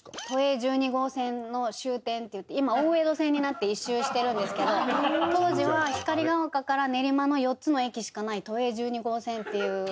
都営１２号線の終点っていって今大江戸線になって１周してるんですけど当時は光が丘から練馬の４つの駅しかない都営１２号線っていう。